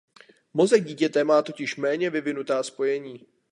Mozek dítěte má totiž měně vyvinuta spojení.